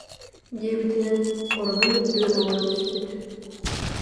» диэбитинэн оронун үрдүгэр олоро түспүт